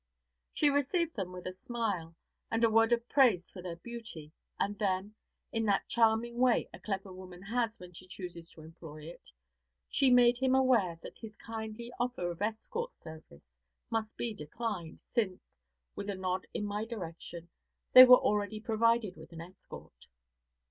She received them with a smile, and a word of praise for their beauty, and then, in that charming way a clever woman has when she chooses to employ it, she made him aware that his kindly offer of escort service must be declined, since, with a nod in my direction, they 'were already provided with an escort.'